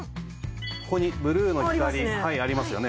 ここにブルーの光ありますよね？